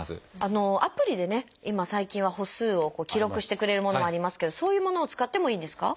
アプリでね今最近は歩数を記録してくれるものもありますけどそういうものを使ってもいいんですか？